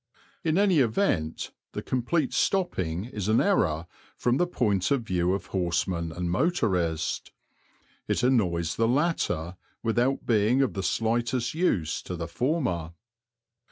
In any event the complete stopping is an error from the point of view of horseman and motorist. It annoys the latter without being of the slightest use to the former.